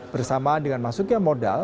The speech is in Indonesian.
bersama dengan masuknya modal